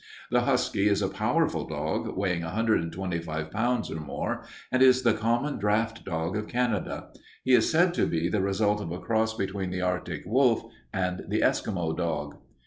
The husky, is a powerful dog, weighing 125 pounds or more, and is the common draught dog of Canada. He is said to be the result of a cross between the Arctic wolf and the Eskimo dog."